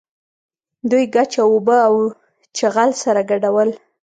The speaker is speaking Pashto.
دوی ګچ او اوبه او چغل سره ګډول.